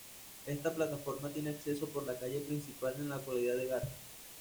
Esta plataforma tiene acceso por la Calle Principal, en la localidad de Gata.